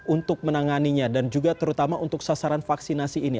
untuk menanganinya dan juga terutama untuk sasaran vaksinasi ini